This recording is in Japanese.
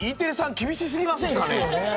きびしすぎませんかね？